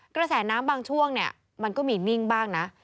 กระแสน้ำบางช่วงเนี่ยมันก็มีนิ่งบ้างนะ